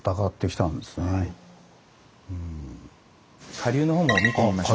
下流のほうも見てみましょう。